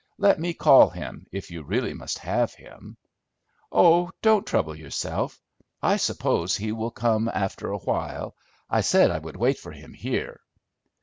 Let me call him, if you really must have him." "Oh, don't trouble yourself. I suppose he will come after a while. I said I would wait for him here."